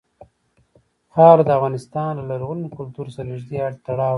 خاوره د افغانستان له لرغوني کلتور سره نږدې تړاو لري.